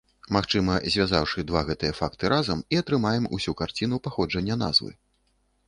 Магчыма, звязаўшы два гэтыя факты разам і атрымаем усю карціну паходжання назвы.